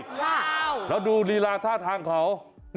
ว้าวแล้วดูรีลาธ่าทางเขา